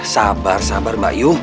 sabar sabar mbak yu